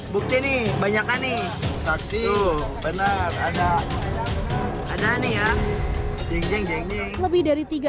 bukti nih banyakkan nih saksi benar ada ada nih ya jeng jeng jeng jeng lebih dari tiga